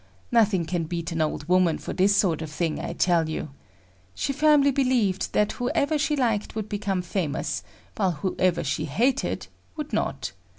Nothing can beat an old woman for this sort of thing, I tell you. She firmly believed that whoever she liked would become famous, while whoever she hated would not.